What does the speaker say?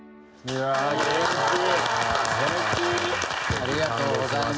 ありがとうございます。